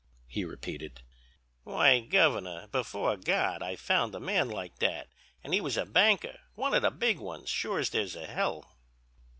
he repeated. 'Why, Governor, before God, I found a man like that, an' he was a banker—one of the big ones, sure as there's a hell!'"